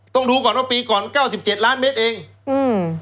ต้องดูก่อนว่าปีก่อนเก้าสิบเจ็ดล้านเมตรเองอืม